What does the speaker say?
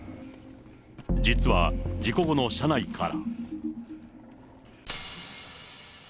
実は事故後の車内から。